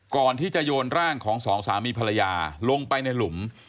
ก่อนที่จะโยนร่างของสองสามีภรรยาลงไปในหลุม